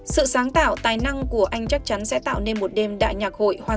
sự sáng tạo tài năng của anh chắc chắn sẽ tạo nên một đêm đại nhạc hội hoàn